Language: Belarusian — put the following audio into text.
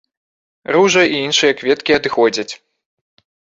Ружа і іншыя кветкі адыходзяць.